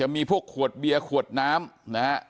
มีพวกขวดเบียร์ขวดน้ำนะฮะ